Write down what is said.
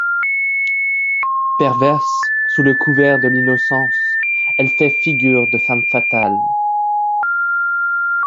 Perverse sous le couvert de l'innocence, elle fait figure de femme fatale.